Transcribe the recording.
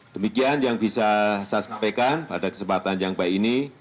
demikian yang bisa saya sampaikan pada kesempatan yang baik ini